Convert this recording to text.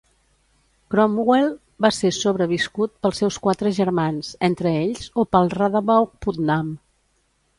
Cromwell va ser sobreviscut pels seus quatre germans, entre ells Opal Radabaugh Putnam.